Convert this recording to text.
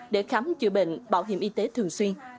để khám chữa bệnh bảo hiểm y tế thường xuyên